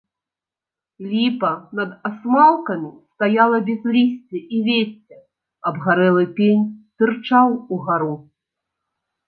Ліпа над асмалкамі стаяла без лісця і вецця, абгарэлы пень тырчаў угару.